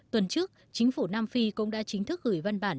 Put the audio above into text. tuần trước chính phủ nam phi cũng đã chính thức gửi văn bản